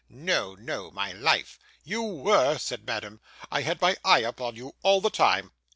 'No, no, my life.' 'You were,' said Madame; 'I had my eye upon you all the time.